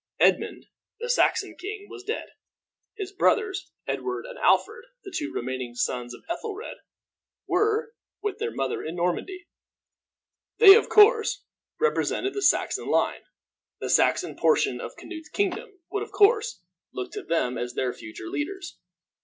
Edmund, the Saxon king, was dead. His brothers Edward and Alfred, the two remaining sons of Ethelred, were with their mother in Normandy. They, of course, represented the Saxon line. The Saxon portion of Canute's kingdom would of course look to them as their future leaders.